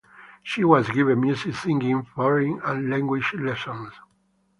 She was given music, singing, foreign languages lessons.